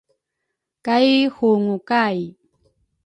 Kay hungu kay